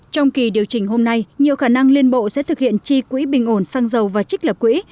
trong kỳ điều chỉnh hôm nay nhiều khả năng liên bộ sẽ thực hiện chi quỹ bình ổn xăng dầu và trích lập quỹ